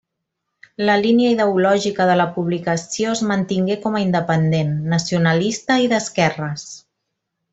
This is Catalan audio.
La línia ideològica de la publicació es mantingué com a independent, nacionalista i d’esquerres.